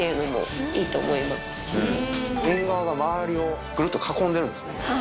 縁側が周りをぐるっと囲んでるんですね。